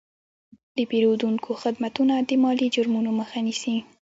د پیرودونکو خدمتونه د مالي جرمونو مخه نیسي.